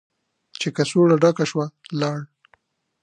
چې کڅوړه ډکه شوه، لاړ.